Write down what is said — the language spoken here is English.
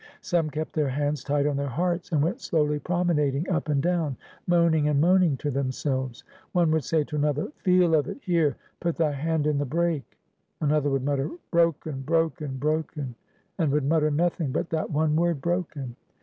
Some kept their hands tight on their hearts, and went slowly promenading up and down, moaning and moaning to themselves. One would say to another "Feel of it here, put thy hand in the break." Another would mutter "Broken, broken, broken" and would mutter nothing but that one word broken.